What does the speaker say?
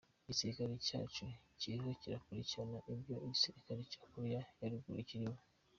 "Igisirikare cacu kiriko kirakurikirana ivyo igisirikare ca Korea ya ruguru kirimwo".